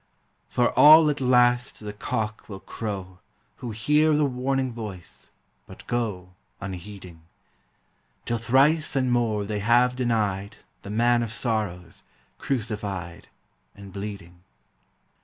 For all at last the cock will crow Who hear the warning voice, but go Unheeding, Till thrice and more they have denied The Man of Sorrows, crucified And bleeding.